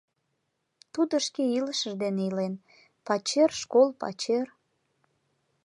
Тудо шке илышыж дене илен: пачер — школ — пачер.